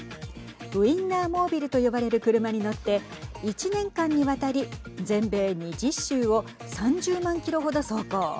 ウィンナーモービルと呼ばれる車に乗って１年間にわたり全米２０州を３０万キロ程走行。